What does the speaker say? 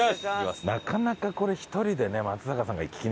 なかなかこれ１人でね松坂さんが聞きに。